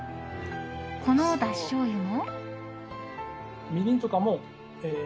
このだししょうゆも。